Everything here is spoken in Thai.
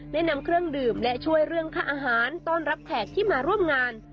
ได้นำเครื่องดื่มและช่วยเรื่องค่าอาหารต้อนรับแขกที่มาร่วมงาน